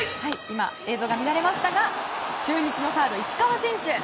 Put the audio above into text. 今、映像が乱れましたが中日のサード、石川選手。